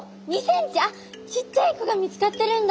あっちっちゃい子が見つかってるんだ。